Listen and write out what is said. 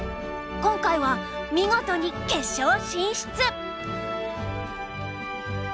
今回は見事に決勝進出！